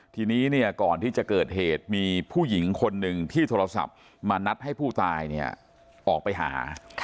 ทีนี้ก่อนที่จะเกิดเหตุมีผู้หญิงคนหนึ่งที่โทรศัพท์มานัดให้ผู้ตายออกไปหา